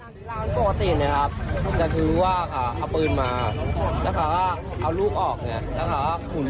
นัดที่๓ครับ